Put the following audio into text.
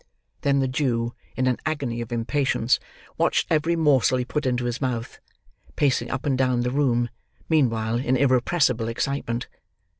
Then the Jew, in an agony of impatience, watched every morsel he put into his mouth; pacing up and down the room, meanwhile, in irrepressible excitement.